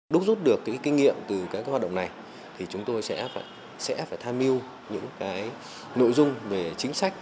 để giúp được kinh nghiệm từ các hoạt động này chúng tôi sẽ phải tham mưu những nội dung về chính sách